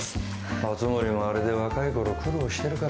熱護もあれで若いころ苦労してるからね。